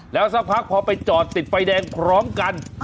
แล้วสักพักพอไปจอดติดไฟแดงพร้อมกัน